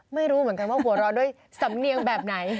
ไม่รู้เหมือนกันว่าหัวเราะด้วยสำเนียงแบบไหน